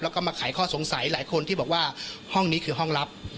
แล้วก็มาไขข้อสงสัยหลายคนที่บอกว่าห้องนี้คือห้องลับ